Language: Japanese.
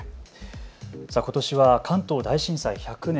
ことしは関東大震災１００年。